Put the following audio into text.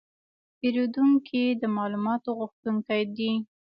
پیرودونکي د معلوماتو غوښتونکي دي.